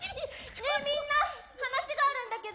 ねえみんな話があるんだけど。